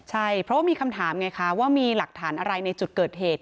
ใช่เพราะว่ามีคำถามไงคะว่ามีหลักฐานอะไรในจุดเกิดเหตุ